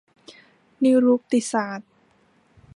นิรุกติศาสตร์